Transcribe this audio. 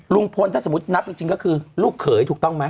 ลุงพลถ้าสมมุตินับจริงก็คือลูกเขยถูกต้องไหม